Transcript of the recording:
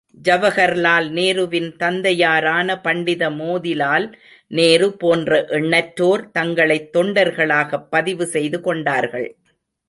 ஜவகர்லால் நேருவின் தந்தையாரான பண்டித மோதிலால் நேரு போன்ற எண்ணற்றோர், தங்களைத் தொண்டர்களாகப் பதிவு செய்து கொண்டார்கள்.